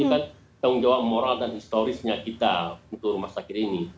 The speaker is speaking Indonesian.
itu kan tanggung jawab moral dan historisnya kita untuk rumah sakit ini